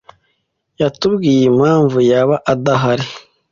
yatubwiye impamvu yaba adahari.